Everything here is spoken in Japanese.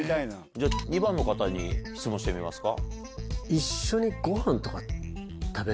じゃあ２番の方に質問してみますか。